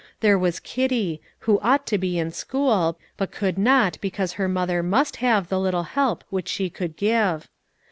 There was Kitty, who ought to be in school, but could not because her mother must have the little help which she could give.